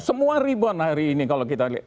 semua rebound hari ini kalau kita lihat